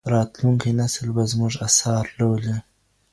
راتلونکی نسل به زموږ اثار لولي.